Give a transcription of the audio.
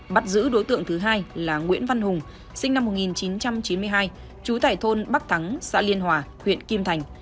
bắt giữ đối tượng thứ hai là nguyễn văn hùng sinh năm một nghìn chín trăm chín mươi hai trú tại thôn bắc thắng xã liên hòa huyện kim thành